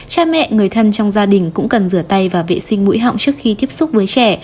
cha mẹ người thân trong gia đình cũng cần rửa tay và vệ sinh mũi họng trước khi tiếp xúc với trẻ